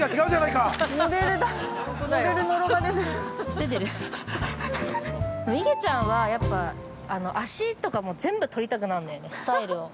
いげちゃんは、やっぱ脚とかも全部撮りたくなんのよねスタイルを。